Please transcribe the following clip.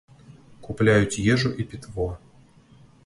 Купляюць ежу і пітво.